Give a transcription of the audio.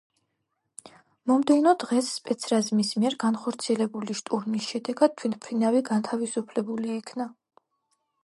მომდევნო დღეს სპეცრაზმის მიერ განხორციელებული შტურმის შედეგად, თვითმფრინავი გათავისუფლებული იქნა.